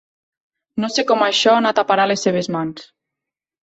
No sé com això ha anat a parar a les seves mans.